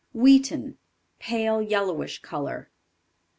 Wheaten. Pale yellowish color.